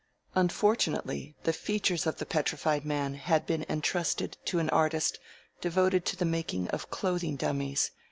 Unfortunately, the features of the Petrified Man had been entrusted to an artist devoted to the making of clothing dummies.